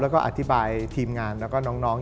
แล้วก็อธิบายทีมงานแล้วก็น้อง